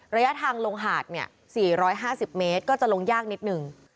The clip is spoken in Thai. ระยะทางลงหาด๔๕๐เมตรก็จะลงยากนิดนึง